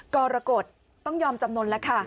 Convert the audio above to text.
กรกฎต้องยอมจำนวนแล้วค่ะ